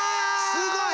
すごい！